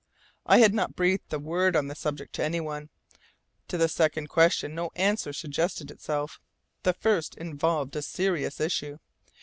I had not breathed a word on the subject to anyone. To the second question no answer suggested itself; the first involved a serious issue.